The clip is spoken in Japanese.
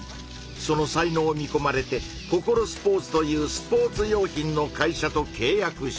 その才能を見こまれてココロスポーツというスポーツ用品の会社とけい約した。